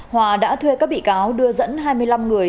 hòa đã thuê các bị cáo đưa dẫn hai mươi năm người